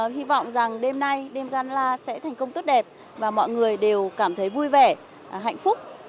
hy vọng rằng đêm nay đêm ganla sẽ thành công tốt đẹp và mọi người đều cảm thấy vui vẻ hạnh phúc